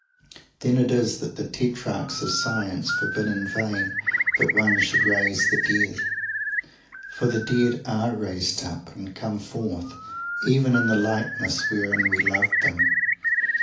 Then it is that the Tetrarchs of Science forbid in vain "that one should raise the Dead." For the Dead are raised up, and come forth, even in the likeness wherein we loved them!